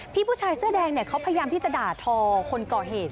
ผู้ชายเสื้อแดงเขาพยายามที่จะด่าทอคนก่อเหตุ